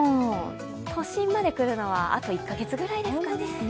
都心まで来るのは、あと１か月くらいですかね。